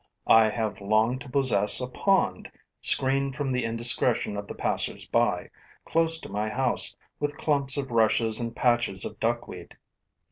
I have longed to possess a pond, screened from the indiscretion of the passers by, close to my house, with clumps of rushes and patches of duckweed.